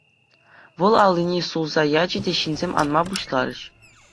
Вӑл аллине сулса ячӗ те ҫынсем анма пуҫларӗҫ.